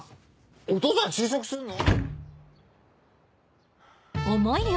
お義父さん就職するの？